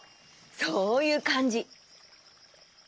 そういうかんじ。